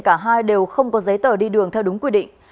cả hai đều không có giấy tờ đi đường theo đúng quy định